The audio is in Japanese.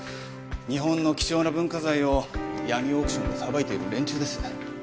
日本の貴重な文化財を闇オークションでさばいている連中です。